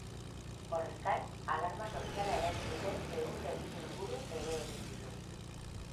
Horrez gain, alarma soziala eragin duten ehun delitu inguru ere egin ditu.